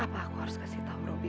apa aku harus kasih tahu roby